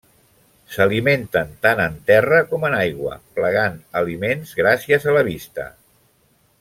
S'alimenten tant en terra com en aigua, plegant aliments gràcies a la vista.